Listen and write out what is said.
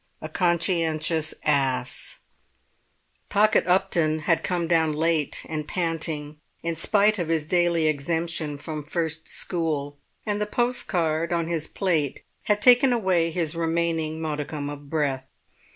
A CONSCIENTIOUS ASS Pocket Upton had come down late and panting, in spite of his daily exemption from first school, and the postcard on his plate had taken away his remaining modicum of breath.